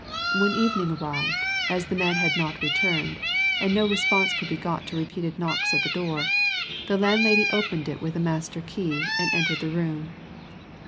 When evening arrived, as the man had not returned, and no response could be got to repeated knocks at the door, the landlady opened it with a master key, and entered the room.